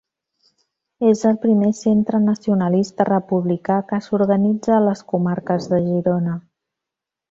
És el primer Centre Nacionalista Republicà que s'organitza a les comarques de Girona.